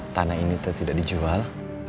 tanah ini tidak dijual